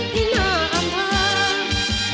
ที่หน้าอำเภอ